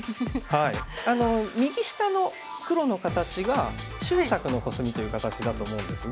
右下の黒の形が秀策のコスミという形だと思うんですが。